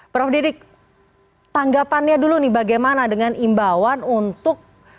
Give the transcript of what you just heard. prof didik tanggapannya dulu nih bagaimana dengan imbauan untuk